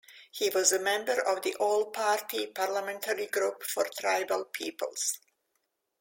He was a member of the All-Party Parliamentary Group for Tribal Peoples.